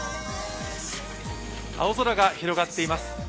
青空が広がっています。